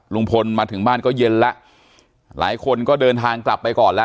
ลุงพลมาถึงบ้านก็เย็นแล้วหลายคนก็เดินทางกลับไปก่อนแล้ว